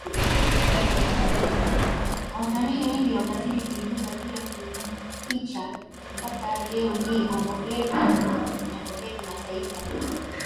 wasanii wengi wakazidi kuibuka kila kukicha mpaka leo hii Bongo Fleva inapopepea kimataifa Hip